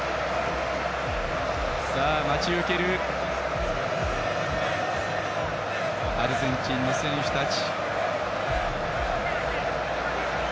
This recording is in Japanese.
待ち受けるアルゼンチンの選手たち。